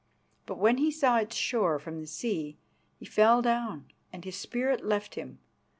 But when he saw its shore from the sea he fell down and his spirit left him.